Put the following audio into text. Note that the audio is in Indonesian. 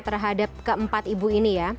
terhadap keempat ibu ini ya